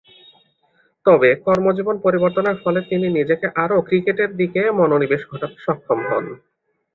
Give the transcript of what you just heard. তবে কর্মজীবন পরিবর্তনের ফলে তিনি নিজেকে আরও ক্রিকেটের দিকে মনোনিবেশ ঘটাতে সক্ষম হন।